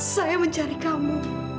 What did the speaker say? saya mencari kamu